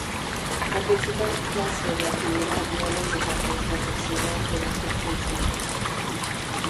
La principal clase de actividad biológica es la toxicidad de la sustancia.